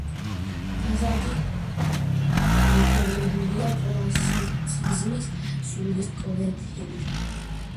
ფასადი გაფორმებულია კლასიციზმის სულისკვეთებით.